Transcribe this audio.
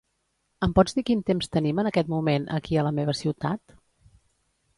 Em pots dir quin temps tenim en aquest moment aquí a la meva ciutat?